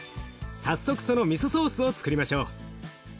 早速そのミソソースをつくりましょう。